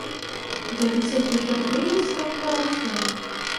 Да ведь это же прелесть как хорошо.